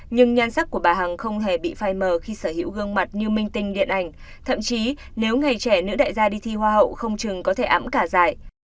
nhưng nhan sắc của bà hằng không hề bị phai mờ khi sở hữu gương mặt như minh tinh điện ảnh thậm chí nếu ngày trẻ nữ đại gia đi thi hoa hậu không chừng có thể ám cả dài